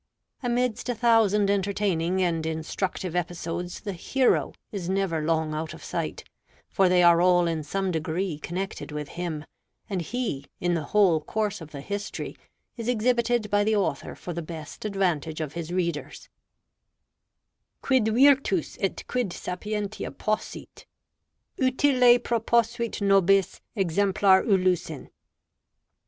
Amidst a thousand entertaining and instructive episodes the Hero is never long out of sight; for they are all in some degree connected with him; and He, in the whole course of the History, is exhibited by the author for the best advantage of his readers: "Quid Virtus et quid sapientia possit, Utile proposuit nobis exemplar Ulyssen."